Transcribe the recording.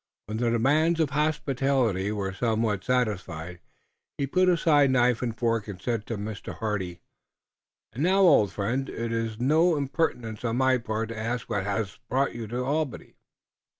When the demands of hospitality were somewhat satisfied, he put aside knife and fork, and said to Mr. Hardy: "And now, old friend, it iss no impertinence on my part to ask what hass brought you to Albany."